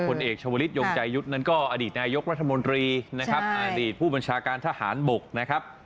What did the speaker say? เอกชวลิศยงใจยุทธ์นั้นก็อดีตนายกรัฐมนตรีนะครับอดีตผู้บัญชาการทหารบกนะครับ